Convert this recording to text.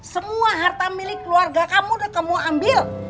semua harta milik keluarga kamu sudah kamu ambil